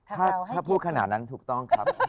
ถ้าพูดขนาดนั้นถูกต้องครับ